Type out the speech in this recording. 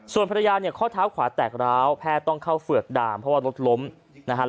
ส่วนภรรยาเนี่ยข้อเท้าขวาแตกร้าวแพทย์ต้องเข้าเฝือกดามเพราะว่ารถล้มนะครับ